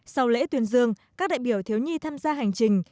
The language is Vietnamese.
sau lễ tuyên dương các đại biểu thiếu nhi tham gia hành trình